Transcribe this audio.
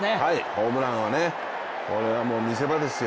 ホームランはね、これはもう見せ場ですよ。